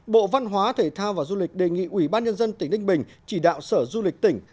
bộ văn hóa thể thao và du lịch đề nghị ủy ban nhân dân tỉnh ninh bình chỉ đạo sở du lịch tỉnh